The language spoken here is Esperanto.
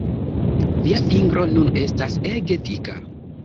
Via fingro nun estas ege dika!